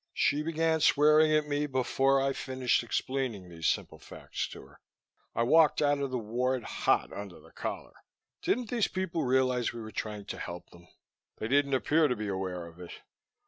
She began swearing at me before I finished explaining these simple facts to her. I walked out of the ward, hot under the collar. Didn't these people realize we were trying to help them? They didn't appear to be aware of it.